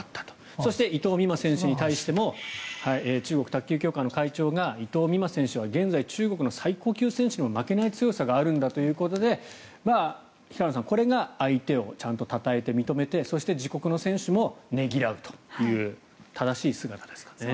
そして、伊藤美誠選手に対しても中国卓球協会の会長が伊藤美誠選手は現在、中国の最高級選手にも負けない強さがあるんだということで平野さん、これが相手をちゃんとたたえて認めてそして、自国の選手もねぎらうという正しい姿ですかね。